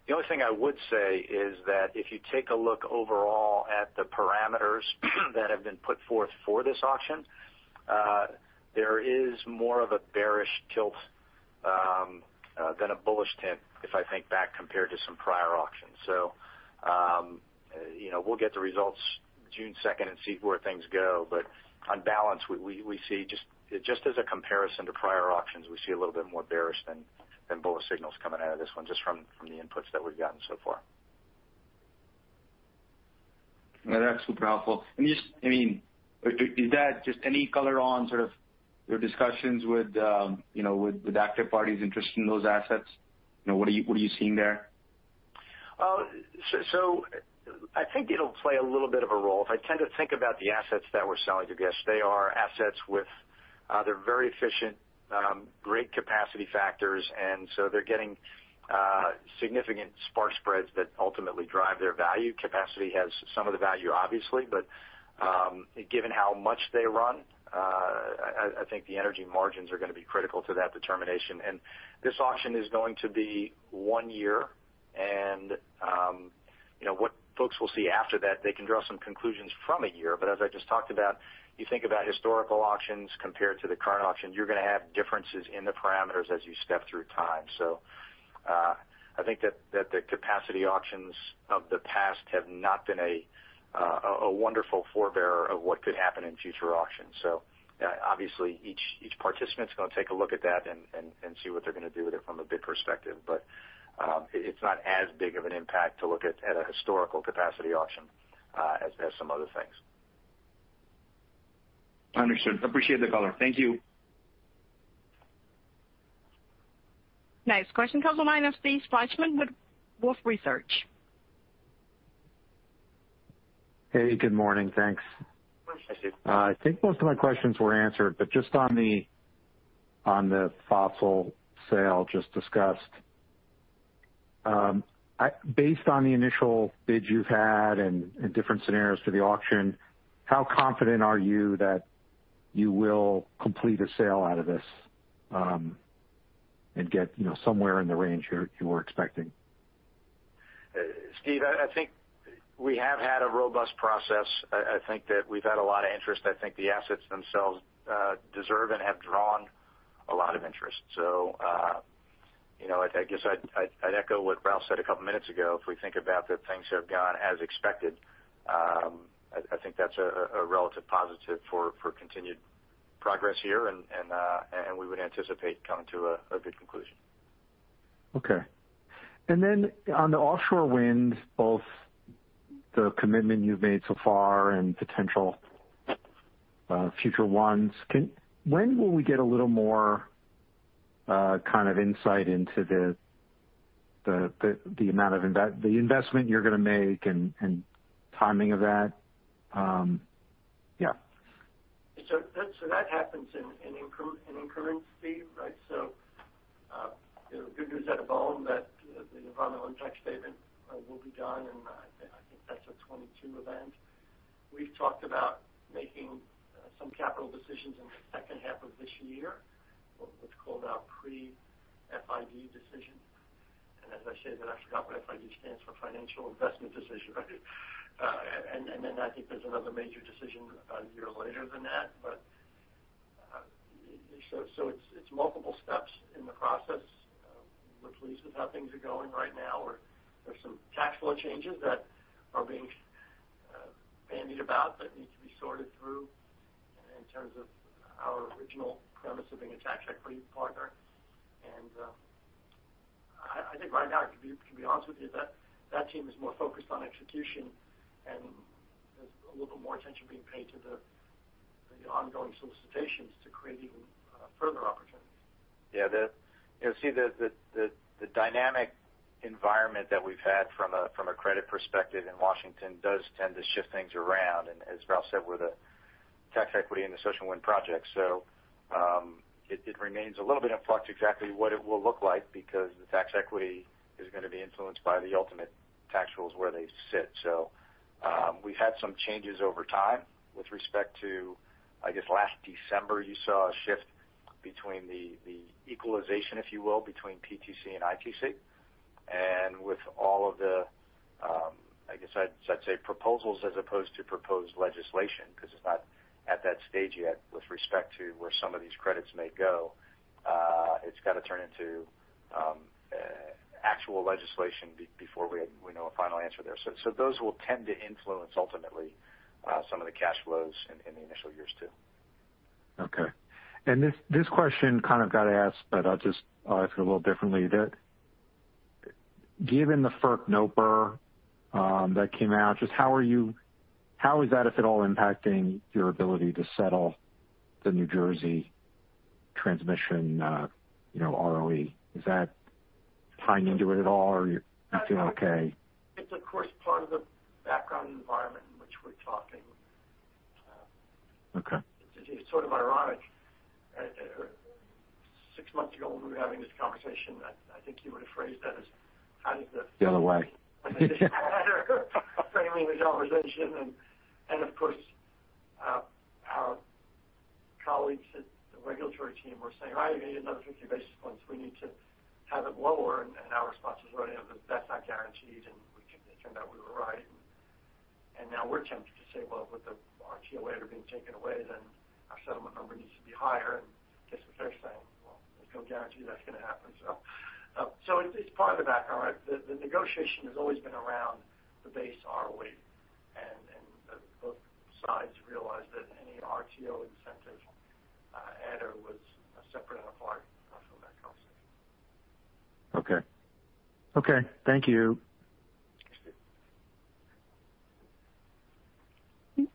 The only thing I would say is that if you take a look overall at the parameters that have been put forth for this auction, there is more of a bearish tilt than a bullish tilt if I think back compared to some prior auctions. We'll get the results June 2nd and see where things go. On balance, just as a comparison to prior auctions, we see a little bit more bearish than bullish signals coming out of this one, just from the inputs that we've gotten so far. No, that's super helpful. Is that just any color on sort of your discussions with active parties interested in those assets? What are you seeing there? I think it'll play a little bit of a role. If I tend to think about the assets that we're selling to guests, they're very efficient, great capacity factors, they're getting significant spark spreads that ultimately drive their value. Capacity has some of the value, obviously, but given how much they run, I think the energy margins are going to be critical to that determination. This auction is going to be one year. What folks will see after that, they can draw some conclusions from a year, but as I just talked about, you think about historical auctions compared to the current auction, you're going to have differences in the parameters as you step through time. I think that the capacity auctions of the past have not been a wonderful forebearer of what could happen in future auctions. Obviously, each participant's going to take a look at that and see what they're going to do with it from a bid perspective. It's not as big of an impact to look at at a historical capacity auction as some other things. Understood. Appreciate the color. Thank you. Next question comes on the line of Steve Fleishman with Wolfe Research. Hey, good morning. Thanks. Hi, Steve. I think most of my questions were answered. Just on the fossil sale just discussed. Based on the initial bids you've had and different scenarios for the auction, how confident are you that you will complete a sale out of this and get somewhere in the range you were expecting? Steve, I think we have had a robust process. I think that we've had a lot of interest. I think the assets themselves deserve and have drawn a lot of interest. I guess I'd echo what Ralph said a couple of minutes ago. If we think about that things have gone as expected, I think that's a relative positive for continued progress here, and we would anticipate coming to a good conclusion. Okay. Then on the offshore wind, both the commitment you've made so far and potential future ones. When will we get a little more kind of insight into the investment you're going to make and timing of that? Yeah. That happens in increments, Steve. Good news out of BOEM that the environmental impact statement will be done, and I think that's a 2022 event. We've talked about making some capital decisions in the second half of this year, what's called our pre-FID decision. As I say to the national government, FID stands for financial investment decision, right? Then I think there's another major decision one year later than that. It's multiple steps in the process. We're pleased with how things are going right now. There's some tax law changes that are being bandied about that need to be sorted through in terms of our original premise of being a tax equity partner. I think right now, to be honest with you, that team is more focused on execution and there's a little bit more attention being paid to the ongoing solicitations to create even further opportunities. Yeah. See, the dynamic environment that we've had from a credit perspective in Washington does tend to shift things around and, as Ralph said, with the tax equity and the Ocean Wind project. It remains a little bit in flux exactly what it will look like because the tax equity is going to be influenced by the ultimate tax rules where they sit. We've had some changes over time with respect to, I guess, last December, you saw a shift between the equalization, if you will, between PTC and ITC. With all of the, I guess I'd say proposals as opposed to proposed legislation, because it's not at that stage yet with respect to where some of these credits may go. It's got to turn into actual legislation before we know a final answer there. Those will tend to influence, ultimately, some of the cash flows in the initial years too. Okay. This question kind of got asked, but I'll just ask it a little differently. Given the FERC NOPR that came out, just how is that, if at all, impacting your ability to settle the New Jersey transmission ROE? Is that tying into it at all or are you feeling okay? It's, of course, part of the background environment in which we're talking. Okay. It's sort of ironic. Six months ago, when we were having this conversation, I think you would've phrased that. The other way. Framing the conversation. Of course, our colleagues at the regulatory team were saying, "All right, we need another 50 basis points. We need to have it lower." Our response was, "Well, that's not guaranteed." It turned out we were right. Now we're tempted to say, well, with the RTO being taken away, then our settlement number needs to be higher. I guess what they're saying, well, there's no guarantee that's going to happen. It's part of the background. The negotiation has always been around the base ROE, and both sides realize that any RTO incentive adder was separate and apart from that conversation. Okay. Thank you.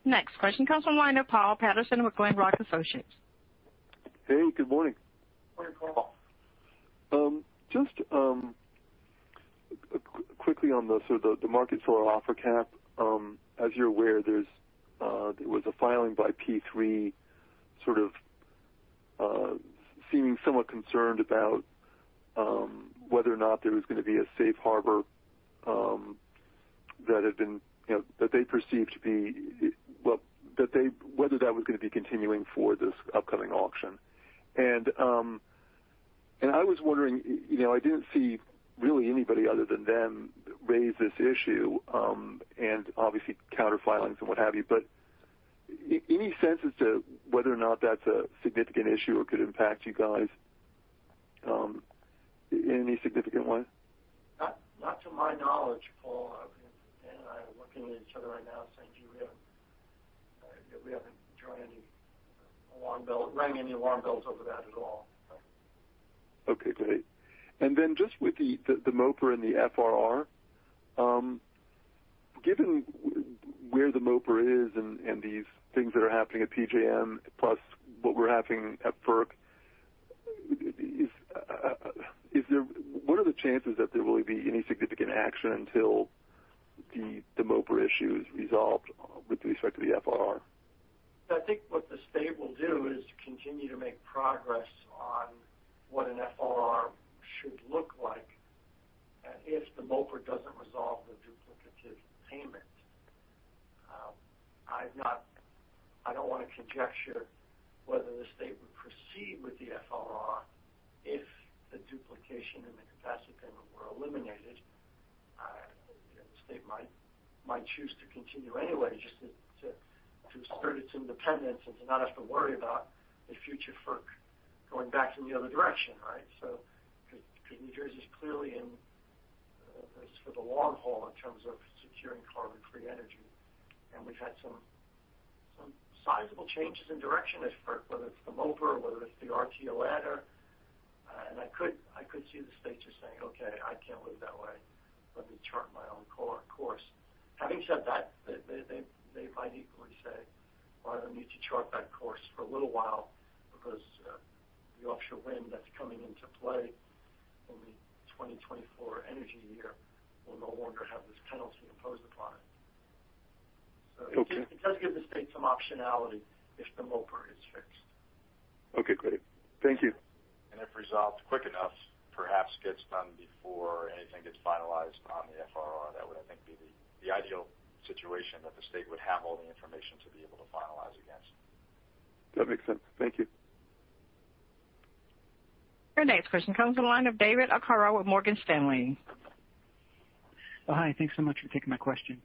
Next question comes from the line of Paul Patterson with Glenrock Associates. Hey, good morning. Morning, Paul. Just quickly on the market seller offer cap. As you're aware, there was a filing by P3 sort of seeming somewhat concerned about whether or not there was going to be a safe harbor that they perceive to be, whether that was going to be continuing for this upcoming auction. I was wondering, I didn't see really anybody other than them raise this issue, and obviously counter filings and what have you. Any sense as to whether or not that's a significant issue or could impact you guys in any significant way? Not to my knowledge, Paul. Dan and I are looking at each other right now saying we haven't rang any alarm bells over that at all. Okay, great. Then just with the MOPR and the FRR, given where the MOPR is and these things that are happening at PJM plus what we're having at FERC, what are the chances that there will be any significant action until the MOPR issue is resolved with respect to the FRR? I think what the state will do is continue to make progress on what an FRR should look like. If the MOPR doesn't resolve the duplicative payment, I don't want to conjecture whether the state would proceed with the FRR if the duplication in the capacity payment were eliminated. The state might choose to continue anyway just to assert its independence and to not have to worry about a future FERC going back in the other direction, right? Because New Jersey's clearly in this for the long haul in terms of securing carbon-free energy. We've had some sizable changes in direction at FERC, whether it's the MOPR, whether it's the RTO adder. I could see the state just saying, "Okay, I can't wait that way. Let me chart my own course." Having said that, they might equally say, "Well, I don't need to chart that course for a little while because the offshore wind that's coming into play in the 2024 energy year will no longer have this penalty imposed upon it. Okay. It does give the state some optionality if the MOPR is fixed. Okay, great. Thank you. If resolved quick enough, perhaps gets done before anything gets finalized on the FRR. That would, I think, be the ideal situation that the State would have all the information to be able to finalize against. That makes sense. Thank you. Your next question comes to the line of David Arcaro with Morgan Stanley. Oh, hi. Thanks so much for taking my question.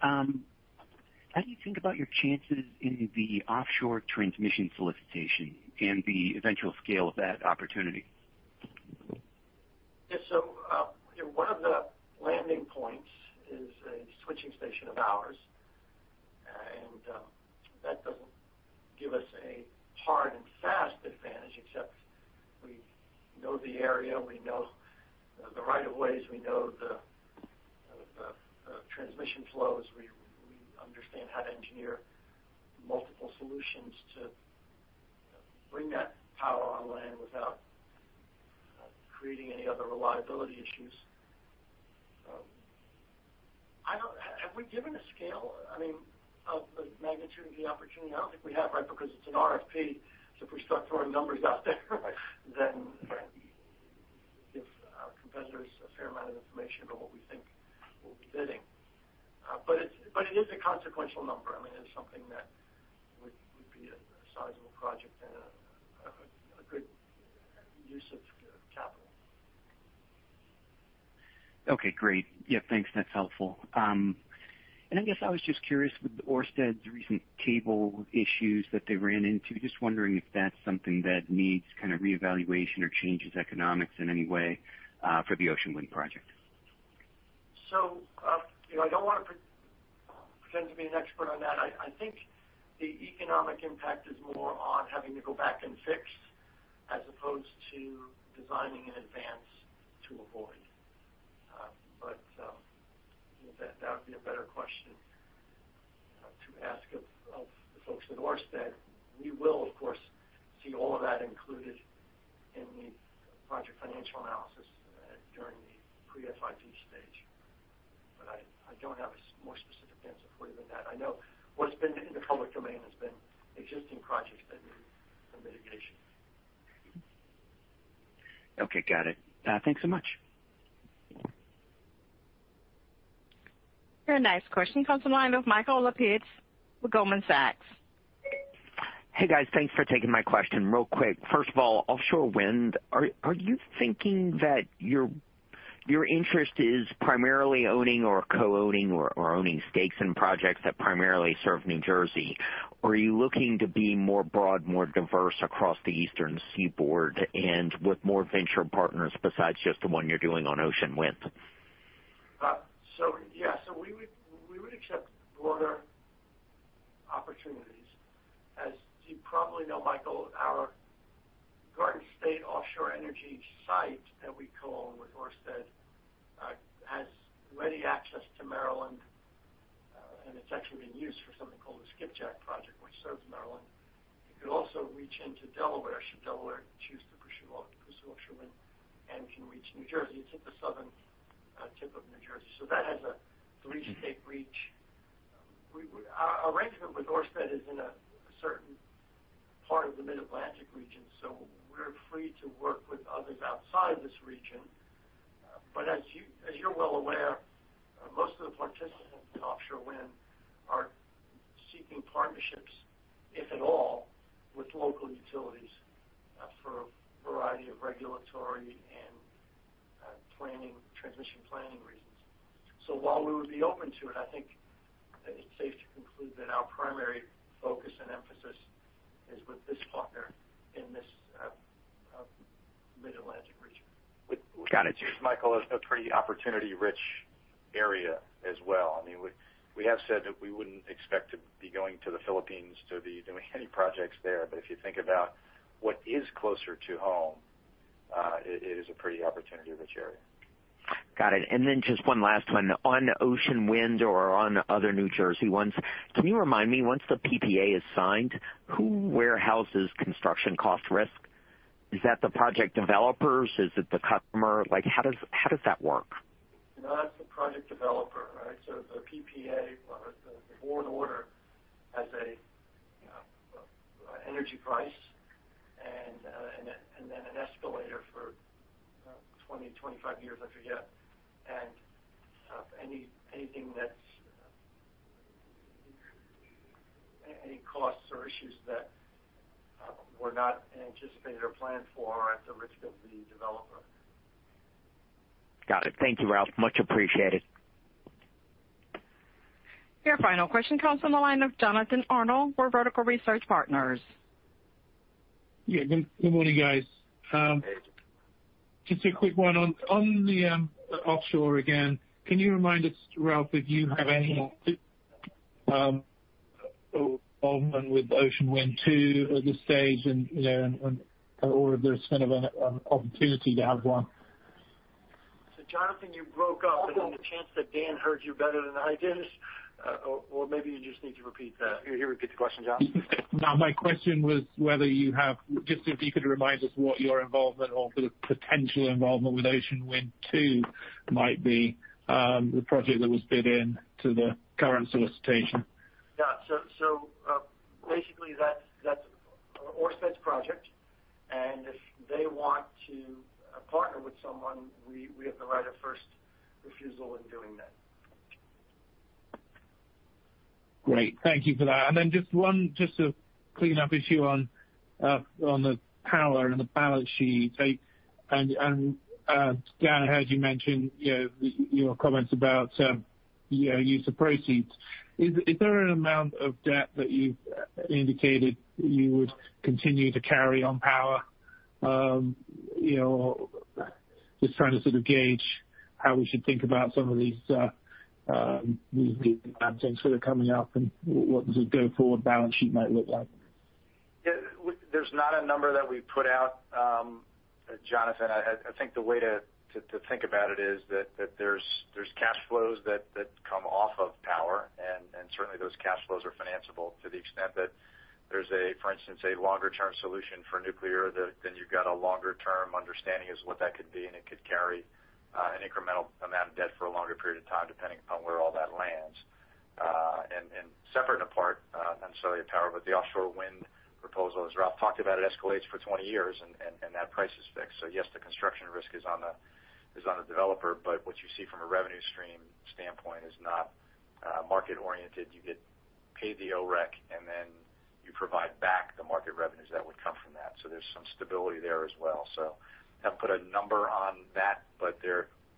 How do you think about your chances in the offshore transmission solicitation and the eventual scale of that opportunity? Yeah. One of the landing points is a switching station of ours, and that doesn't give us a hard and fast advantage except we know the area, we know the right of ways, we know the transmission flows. We understand how to engineer multiple solutions to bring that power on land without creating any other reliability issues. Have we given a scale of the magnitude of the opportunity? I don't think we have, right? Because it's an RFP, so if we start throwing numbers out there, then we give our competitors a fair amount of information about what we think we'll be bidding. It is a consequential number. It's something that would be a sizable project and a good use of capital. Okay, great. Yeah, thanks. That's helpful. I guess I was just curious with Ørsted's recent cable issues that they ran into, just wondering if that's something that needs reevaluation or changes economics in any way for the Ocean Wind project. I don't want to pretend to be an expert on that. I think the economic impact is more on having to go back and fix as opposed to designing in advance to avoid. That would be a better question to ask of the folks at Ørsted. We will, of course, see all of that included in the project financial analysis during the pre-FID stage. I don't have a more specific answer for you than that. I know what's been in the public domain has been existing projects that need some mitigation. Okay, got it. Thanks so much. Our next question comes from the line of Michael Lapides with Goldman Sachs. Hey, guys. Thanks for taking my question. Real quick, first of all, offshore wind, are you thinking that your interest is primarily owning or co-owning or owning stakes in projects that primarily serve New Jersey? Or are you looking to be more broad, more diverse across the Eastern Seaboard and with more venture partners besides just the one you're doing on Ocean Wind? Yeah. We would accept broader opportunities. As you probably know, Michael, our Garden State Offshore Energy site that we co-own with Ørsted has ready access to Maryland, and it's actually being used for something called the Skipjack Project, which serves Maryland. It could also reach into Delaware, should Delaware choose to pursue offshore wind, and it can reach New Jersey. It's at the southern tip of New Jersey. That has a three-state reach. Our arrangement with Ørsted is in a certain part of the Mid-Atlantic region, so we're free to work with others outside this region. As you're well aware, most of the participants in offshore wind are seeking partnerships, if at all, with local utilities for a variety of regulatory and transmission planning reasons. While we would be open to it, I think that it's safe to conclude that our primary focus and emphasis is with this partner in this Mid-Atlantic region. Got it. Michael, it's a pretty opportunity-rich area as well. We have said that we wouldn't expect to be going to the Philippines to be doing any projects there. If you think about what is closer to home, it is a pretty opportunity-rich area. Got it. Just one last one. On Ocean Wind or on other New Jersey ones, can you remind me, once the PPA is signed, who warehouses construction cost risk? Is that the project developers? Is it the customer? How does that work? No, that's the project developer, right? The PPA or the board order has an energy price and then an escalator for 20-25 years, I forget. Anything that's increased, any costs or issues that were not anticipated or planned for, are at the risk of the developer. Got it. Thank you, Ralph. Much appreciated. Your final question comes on the line of Jonathan Arnold for Vertical Research Partners. Yeah. Good morning, guys. Just a quick one. On the offshore again, can you remind us, Ralph, if you have any involvement with Ocean Wind 2 at this stage or if there's an opportunity to have one? Jonathan, you broke up. There's a chance that Dan heard you better than I did, or maybe you just need to repeat that. Here, repeat the question, Jonathan. No, my question was whether you have, just if you could remind us what your involvement or potential involvement with Ocean Wind 2 might be, the project that was bid in to the current solicitation. Yeah. Basically, that's Ørsted's project, and if they want to partner with someone, we have the right of first refusal in doing that. Great. Thank you for that. Just one cleanup issue on the Power and the balance sheet. Dan, I heard you mention your comments about use of proceeds. Is there an amount of debt that you've indicated you would continue to carry on Power? Just trying to sort of gauge how we should think about some of these items that are coming up and what the go-forward balance sheet might look like. Yeah. There's not a number that we put out, Jonathan. I think the way to think about it is that there's cash flows that come off of power, and certainly those cash flows are financeable to the extent that there's, for instance, a longer-term solution for nuclear, then you've got a longer-term understanding as to what that could be, and it could carry an incremental amount of debt for a longer period of time, depending upon where all that lands. Separate and apart, necessarily of power, but the offshore wind proposal, as Ralph talked about, it escalates for 20 years, and that price is fixed. Yes, the construction risk is on the developer, but what you see from a revenue stream standpoint is not market-oriented. You get paid the OREC, and then you provide back the market revenues that would come from that. There's some stability there as well. Haven't put a number on that, but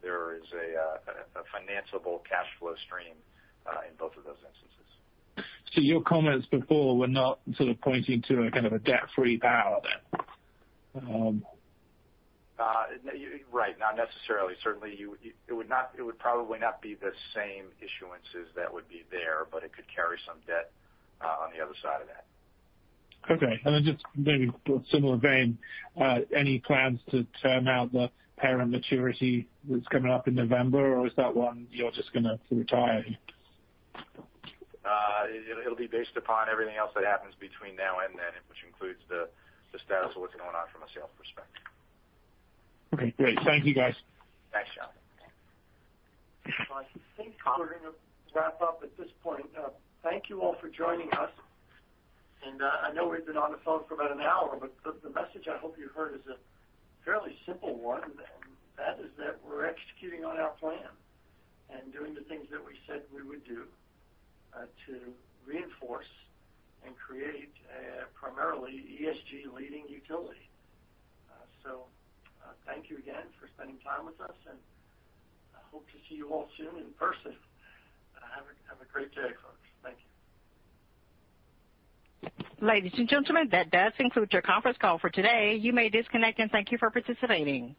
there is a financeable cash flow stream in both of those instances. Your comments before were not sort of pointing to a kind of a debt-free power then? Right. Not necessarily. Certainly, it would probably not be the same issuances that would be there, but it could carry some debt on the other side of that. Okay. Just maybe similar vein, any plans to term out the power maturity that's coming up in November, or is that one you're just going to retire? It'll be based upon everything else that happens between now and then, which includes the status of what's going on from a sales perspective. Okay, great. Thank you, guys. Thanks, John. I think we're going to wrap up at this point. Thank you all for joining us. I know we've been on the phone for about an hour, but the message I hope you heard is a fairly simple one, and that is that we're executing on our plan and doing the things that we said we would do to reinforce and create a primarily ESG-leading utility. Thank you again for spending time with us, and I hope to see you all soon in person. Have a great day, folks. Thank you. Ladies and gentlemen, that does conclude your conference call for today. You may disconnect, and thank you for participating.